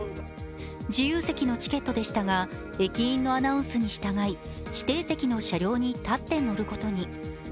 自由席のチケットでしたが、駅員のアナウンスに従い指定席の車両に立って乗ることに。